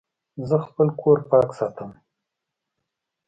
زه خپل کور پاک ساتم.